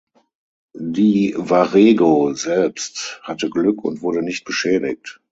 Die "Warrego" selbst hatte Glück und wurde nicht beschädigt.